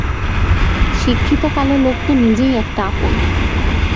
শিক্ষিত কালো লোক তো নিজেই একটা আপদ।